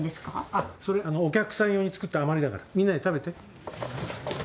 あっそれお客さん用に作った余りだからみんなで食べて。